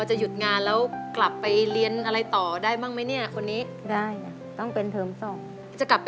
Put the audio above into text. หยุดครับหยุดครับหยุดครับ